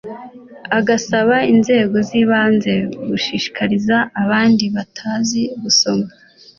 Agasaba inzego zibanze gushishikariza abandi batazi gusoma